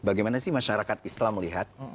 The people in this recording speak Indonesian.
bagaimana sih masyarakat islam melihat